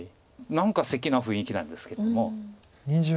何かセキな雰囲気なんですけども。